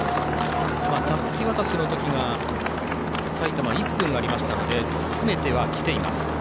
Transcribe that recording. たすき渡しの時が埼玉、１分あったので詰めてはきています。